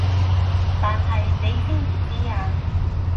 但係你知唔知啊